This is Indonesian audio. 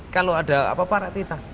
kalau ada apa apa rakyat kita